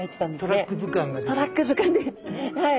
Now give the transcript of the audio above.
トラック図鑑ではい。